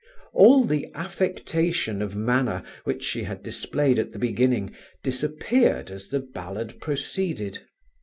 All the affectation of manner which she had displayed at the beginning disappeared as the ballad proceeded.